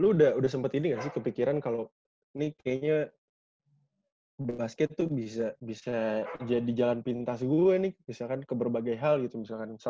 lu udah sempet ini gak sih kepikiran kalau ini kayaknya basket tuh bisa bisa jadi jalan pintas guru ini misalkan ke berbagai hal gitu misalkan